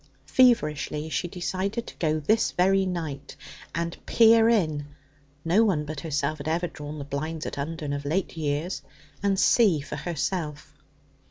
Feverishly she decided to go this very night and peer in (no one but herself had ever drawn the blinds at Undern of late years) and see for herself.